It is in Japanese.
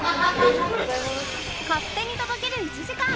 勝手に届ける１時間！